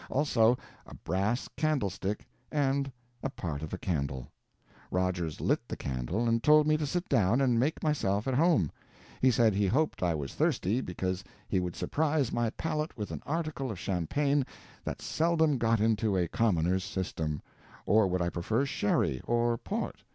Also a brass candlestick and a part of a candle. Rogers lit the candle, and told me to sit down and make myself at home. He said he hoped I was thirsty, because he would surprise my palate with an article of champagne that seldom got into a commoner's system; or would I prefer sherry, or port?